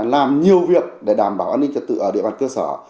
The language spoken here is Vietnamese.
làm nhiều việc để đảm bảo an ninh trật tự ở địa bàn cơ sở